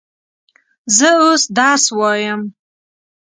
زه اوس درس وایم.